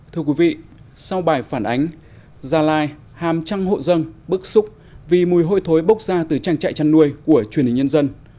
thưa quý vị sau bài phản ánh gia lai hàm trăng hộ dân bức xúc vì mùi hôi thối bốc ra từ trang trại chăn nuôi của truyền hình nhân dân